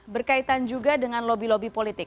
berkaitan juga dengan lobby lobby politik